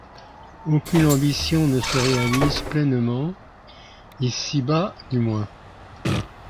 Aucune ambition ne se réalise pleinement, ici-bas du moins.